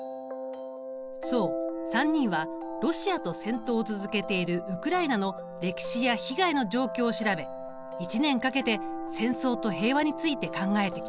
そう３人はロシアと戦闘を続けているウクライナの歴史や被害の状況を調べ１年かけて戦争と平和について考えてきた。